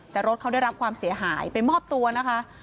แต่รถเขาได้รับความเสียหายไปมอบตัวนะคะ